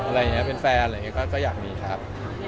ฝ่ายอะไรเนี่ยก็อยากมีครับ